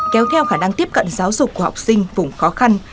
kéo theo khả năng tiếp cận giáo dục của học sinh vùng khó khăn